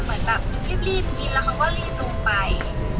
เหมือนแบบรีบกินแล้วเขาก็รีบลงไป